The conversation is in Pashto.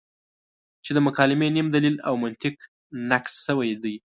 چې د مکالمې نیم دلیل او منطق نقص شوی دی.